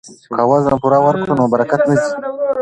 که وزن پوره ورکړو نو برکت نه ځي.